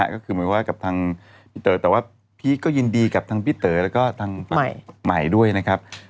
ก็คือเหมือนว่ากับทางพี่เต๋อแต่ว่าพีคก็ยินดีกับทางพี่เต๋อแล้วก็ทางฝั่งใหม่ด้วยนะครับ